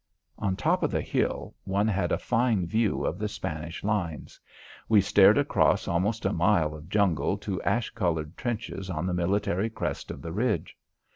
On top of the hill one had a fine view of the Spanish lines. We stared across almost a mile of jungle to ash coloured trenches on the military crest of the ridge.